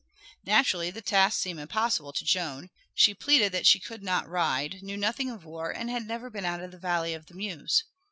Naturally the tasks seemed impossible to Joan; she pleaded that she could not ride, knew nothing of war, and had never been out of the valley of the Meuse.